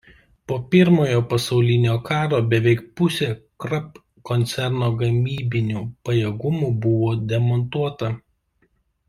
Po Pirmojo pasaulinio karo beveik pusė Krupp koncerno gamybinių pajėgumų buvo demontuota.